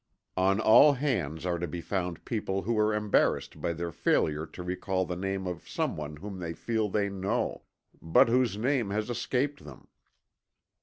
On all hands are to be found people who are embarassed by their failure to recall the name of some one whom they feel they know, but whose name has escaped them.